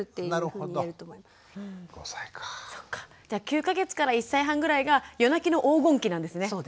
じゃあ９か月から１歳半ぐらいが夜泣きの黄金期なんですね。